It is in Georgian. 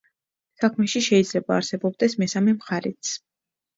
საქმეში შეიძლება არსებობდეს მესამე მხარეც.